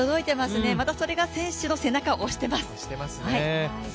またそれが選手の背中を押してます。